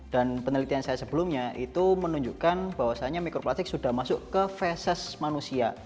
dan penelitian saya sebelumnya itu menunjukkan bahwasanya mikroplastik sudah masuk ke fesis manusia